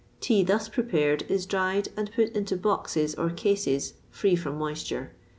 Tea, thus prepared, is dried, and put into boxes or cases free from moisture.